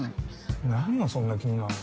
何がそんな気になんの？